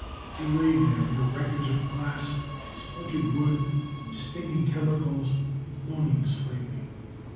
He lay there, in a wreckage of glass and splintered wood and stinking chemicals, moaning slightly.